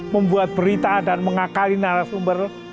membuat berita dan mengakali narasumber